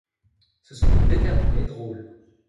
Ce sont de déterminés drôles.